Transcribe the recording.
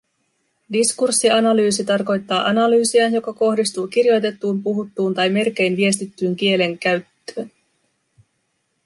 Diskurssianalyysi tarkoittaa analyysiä, joka kohdistuu kirjoitettuun, puhuttuun tai merkein viestittyyn kielen käyttöön